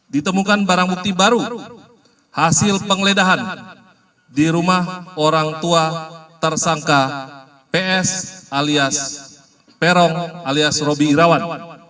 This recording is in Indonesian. ditemukan barang bukti baru hasil penggeledahan di rumah orang tua tersangka ps alias peron alias robi irawan